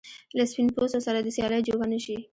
له سپین پوستو سره د سیالۍ جوګه نه شي.